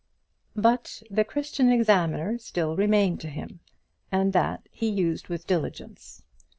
But the Christian Examiner still remained to him, and that he used with diligence.